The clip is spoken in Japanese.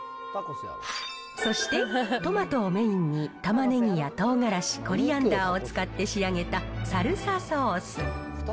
そして、トマトをメインにタマネギやトウガラシ、コリアンダーを使って仕上げたサルサソース。